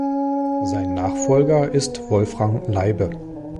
Sein Nachfolger ist Wolfram Leibe.